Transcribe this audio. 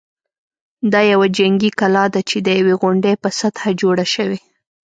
دا یوه جنګي کلا ده چې د یوې غونډۍ په سطحه جوړه شوې.